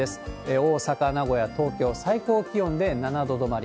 大阪、名古屋、東京、最高気温で７度止まり。